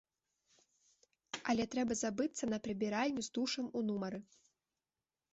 Але трэба забыцца на прыбіральню з душам у нумары.